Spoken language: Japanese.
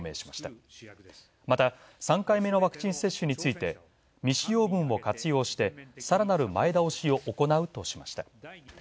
また、３回目のワクチン接種について未使用分を活用してさらなる前倒しを行うとしました。